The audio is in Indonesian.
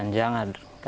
saya akan mencoba